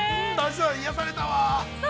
◆癒やされたわあ。